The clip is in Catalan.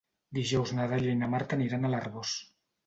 Dijous na Dàlia i na Marta aniran a l'Arboç.